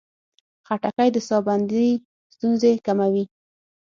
خټکی د ساه بندي ستونزې کموي.